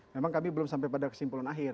memang kami belum sampai pada kesimpulan akhir